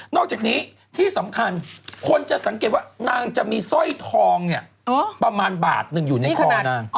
อกจากนี้ที่สำคัญคนจะสังเกตว่านางจะมีสร้อยทองเนี่ยประมาณบาทหนึ่งอยู่ในคอนาง